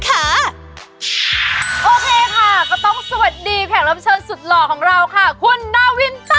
โอเคค่ะก็ต้องสวัสดีแขกรับเชิญสุดหล่อของเราค่ะคุณนาวินจ้ะ